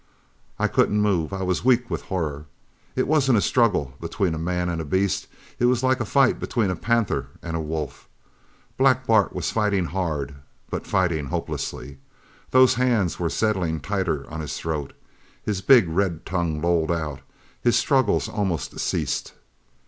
"I couldn't move. I was weak with horror. It wasn't a struggle between a man and a beast. It was like a fight between a panther and a wolf. Black Bart was fighting hard but fighting hopelessly. Those hands were settling tighter on his throat. His big red tongue lolled out; his struggles almost ceased.